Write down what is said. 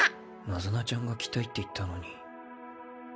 ナズナちゃんが来たいって言ったのに。